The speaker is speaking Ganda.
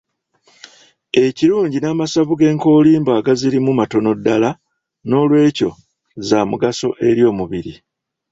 Ekilungi n'amasavu g'enkoolimbo agazirimu matono ddala nolwekyo za mugaso eri omubiri.